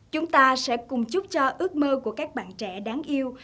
chúng ta sẽ cùng chúc cho ước mơ của các bạn trẻ đáng yêu